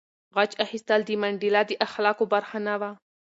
غچ اخیستل د منډېلا د اخلاقو برخه نه وه.